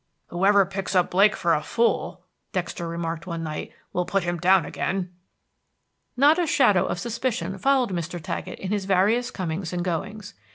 "Whoever picks up Blake for a fool," Dexter remarked one night, "will put him down again." Not a shadow of suspicion followed Mr. Taggett in his various comings and goings.